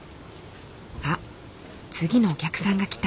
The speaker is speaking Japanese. あっ次のお客さんが来た。